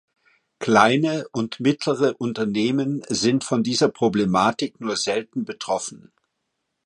Kleine und mittlere Unternehmen sind von dieser Problematik nur selten betroffen.